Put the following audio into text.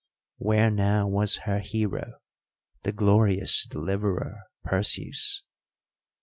Where now was her hero, the glorious deliverer Perseus?